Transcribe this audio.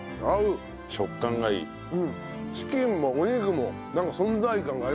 チキンもお肉もなんか存在感がありますね。